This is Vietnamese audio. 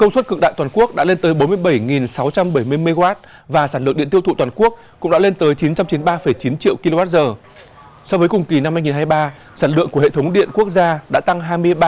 so với cùng kỳ năm hai nghìn hai mươi ba sản lượng của hệ thống điện quốc gia đã tăng hai mươi ba